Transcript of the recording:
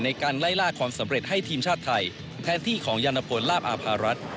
ในการไล่ล่าความสำเร็จให้ทีมชาติไทยแทนที่ของยานพลลาบอาภารัฐ